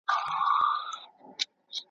تازه ګلونه د باغوان له لاسه ورژېدل `